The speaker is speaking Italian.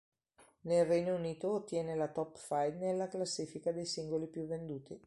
Nel Regno Unito ottiene la top-five nella classifica dei singoli più venduti.